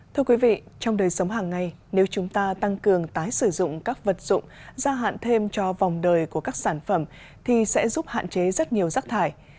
thưa quý vị trong đời sống hàng ngày nếu chúng ta tăng cường tái sử dụng các vật dụng gia hạn thêm cho vòng đời của các sản phẩm thì sẽ giúp hạn chế rất nhiều rác thải